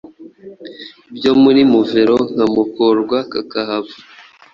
byo muri muvero nkamokorwa kakahava.